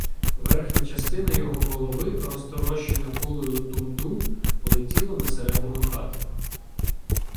Верхня частина його голови, розторощена кулею "дум-дум", полетіла на середину хати.